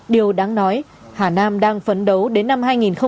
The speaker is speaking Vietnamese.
điều đáng nói hà nam đang phấn đấu đến năm hai nghìn hai mươi